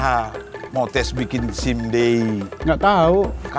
nanti buat bikin sim lebih baik ya